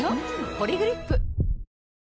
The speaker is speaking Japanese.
「ポリグリップ」